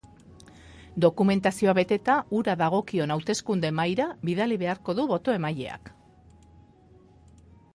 Dokumentazioa beteta, hura dagokion hauteskunde mahaira bidali beharko du boto-emaileak.